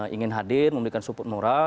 ingin hadir memberikan support moral